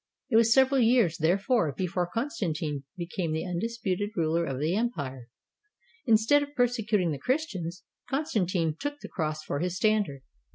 It was several years, therefore, before Constantine became the undisputed ruler of the empire. Instead of persecuting the Christians, Constantine took the cross for his standard.